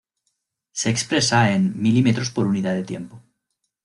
Se expresa en milímetros por unidad de tiempo.